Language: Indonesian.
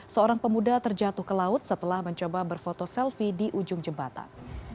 seorang pemuda terjatuh ke laut setelah mencoba berfoto selfie di ujung jembatan